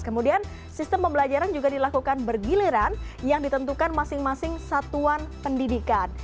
kemudian sistem pembelajaran juga dilakukan bergiliran yang ditentukan masing masing satuan pendidikan